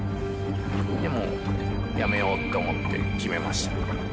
で、もうやめようと思って、決めました。